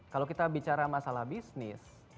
kalau kita bicara masalah bisnis